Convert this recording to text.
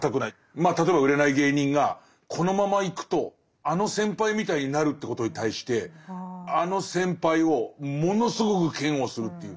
まあ例えば売れない芸人がこのままいくとあの先輩みたいになるということに対してあの先輩をものすごく嫌悪するっていう。